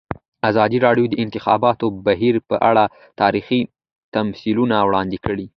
ازادي راډیو د د انتخاباتو بهیر په اړه تاریخي تمثیلونه وړاندې کړي.